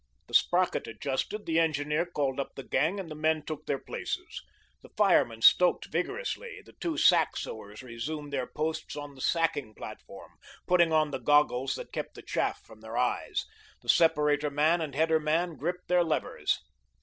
The sprocket adjusted, the engineer called up the gang and the men took their places. The fireman stoked vigorously, the two sack sewers resumed their posts on the sacking platform, putting on the goggles that kept the chaff from their eyes. The separator man and header man gripped their levers.